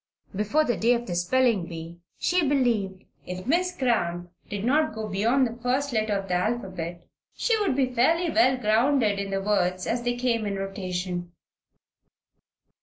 Before the day of the spelling bee she believed that, if Miss Cramp didn't go beyond the first letter of the alphabet, she would be fairly well grounded in the words as they came in rotation.